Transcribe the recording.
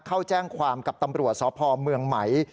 เข้าแจ้งความกับตำรวจสพเมืองไหม